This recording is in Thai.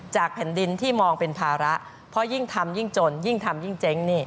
แผ่นดินที่มองเป็นภาระเพราะยิ่งทำยิ่งจนยิ่งทำยิ่งเจ๊งนี่